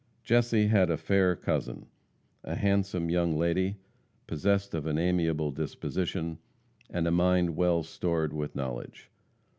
Jesse had a fair cousin a handsome young lady, possessed of an amiable disposition, and a mind well stored with knowledge.